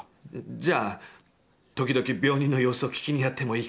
「じゃ、時々病人の様子を聞きに遣ってもいいかね」。